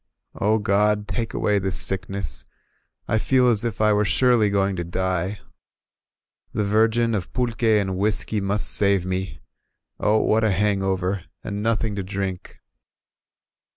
"0 God, take away this sickness, I feel as if I were surely going to die — The Virgin of ptdqv^ and whisky must save me: O what a hangover, and nothing to drink!